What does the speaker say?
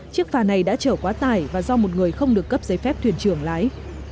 chiếc phà này đã chở quá tải và do một người không được cấp giấy phép thuyền trưởng lái